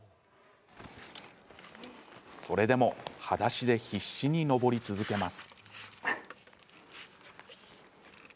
それでも、はだしで必死に登り続けます。